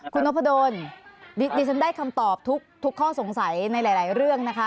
คุณนพดลดิฉันได้คำตอบทุกข้อสงสัยในหลายเรื่องนะคะ